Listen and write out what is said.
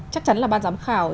chắc chắn là ban giám khảo